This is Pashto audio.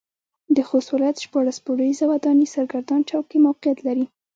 د خوست ولايت شپاړس پوړيزه وداني سرګردان چوک کې موقعيت لري.